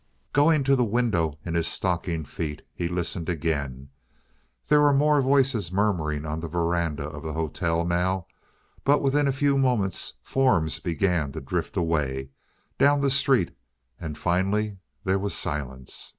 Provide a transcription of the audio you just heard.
Going to the window in his stocking feet, he listened again. There were more voices murmuring on the veranda of the hotel now, but within a few moments forms began to drift away down the street, and finally there was silence.